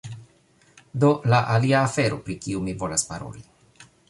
Do la alia afero, pri kiu mi volas paroli